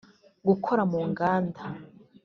gukora mu nganda